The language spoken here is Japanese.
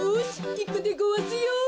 いくでごわすよ。